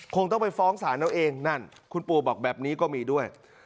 คงต้องไปฟ้องศาลเอาเองนั่นคุณปู่บอกแบบนี้ก็มีด้วย